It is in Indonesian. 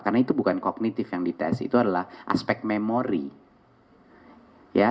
karena itu bukan kognitif yang dites itu adalah aspek memori